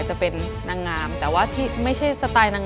พลอยเชื่อว่าเราก็จะสามารถชนะเพื่อนที่เป็นผู้เข้าประกวดได้เหมือนกัน